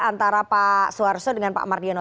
antara pak suarso dengan pak mardiono